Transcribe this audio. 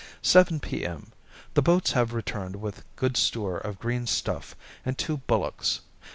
"7 p.m. The boats have returned with good store of green stuff and two bullocks.